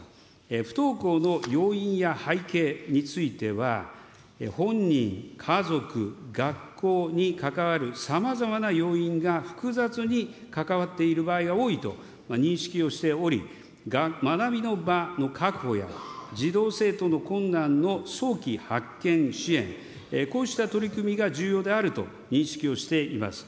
不登校の要因や背景については、本人、家族、学校に関わるさまざまな要因が複雑に関わっている場合が多いと認識をしており、学びの場の確保や、児童・生徒の困難の早期発見支援、こうした取り組みが重要であると認識をしています。